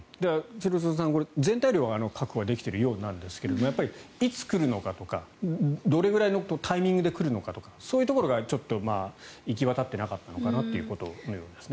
廣津留さん、全体量の確保はできているようなんですがやっぱりいつ来るのかとかどれぐらいのタイミングで来るのかとかそういうところがちょっと行き渡っていなかったのかなと思いますね。